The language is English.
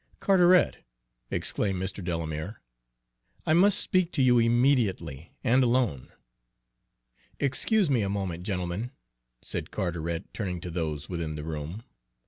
"Carteret," exclaimed Mr. Delamere, "I must speak to you immediately, and alone." "Excuse me a moment, gentlemen," said Carteret, turning to those within the room.